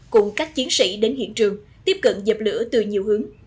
cùng các chiến sĩ đến hiện trường tiếp cận dập lửa từ nhiều hướng